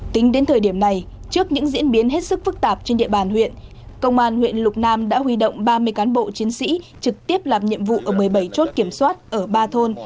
tính đến thời điểm này trước những diễn biến hết sức phức tạp trên địa bàn huyện công an huyện lục nam đã huy động ba mươi cán bộ chiến sĩ trực tiếp làm nhiệm vụ ở một mươi bảy chốt kiểm soát ở ba thôn